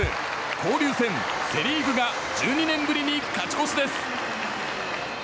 交流戦セ・リーグが１２年ぶりに勝ち越しです。